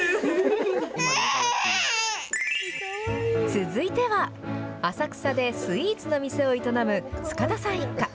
続いては、浅草でスイーツの店を営む塚田さん一家。